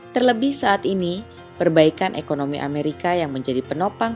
terlebih saat ini perbaikan ekonomi amerika yang menjadi penopang